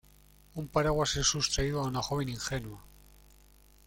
Un paraguas es sustraído a una joven ingenua.